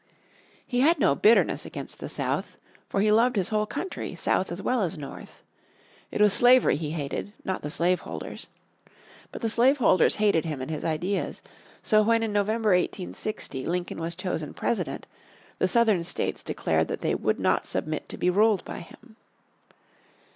He had no bitterness against the South, for he loved his whole country, South as well as North. It was slavery he hated, not the slave holders. But the slave holders hated him and his ideas. So when in November, 1860, Lincoln was chosen President the Southern States declared that they would not submit to be ruled by him.